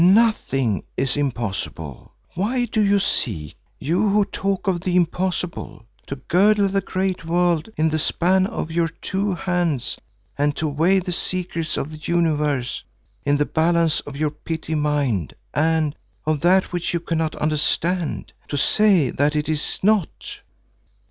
Nothing is impossible. Why do you seek, you who talk of the impossible, to girdle the great world in the span of your two hands and to weigh the secrets of the Universe in the balance of your petty mind and, of that which you cannot understand, to say that it is not?